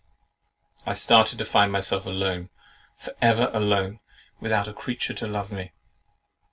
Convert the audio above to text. I started to find myself alone—for ever alone, without a creature to love me.